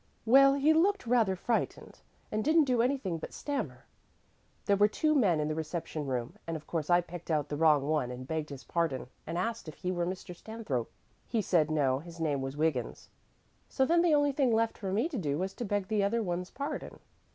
"Well, he looked rather frightened, and didn't do anything but stammer. There were two men in the reception room, and of course I picked out the wrong one and begged his pardon and asked if he were Mr. Stanthrope. He said no; his name was Wiggins. So then the only thing left for me to do was to beg the other one's pardon.